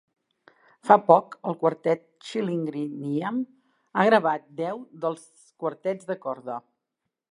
Fa poc, el quartet Chilingirian ha gravat deu dels quartets de corda.